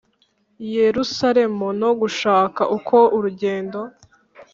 yerusaremu no gushaka uko urugendo